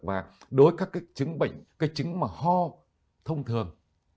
và đối với các cái chứng bệnh cái chứng mà ho thông thường